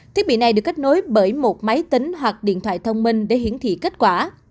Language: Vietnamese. thiết bị này được kết nối bởi một máy tính hoặc điện thoại thông minh để hiển thị kết quả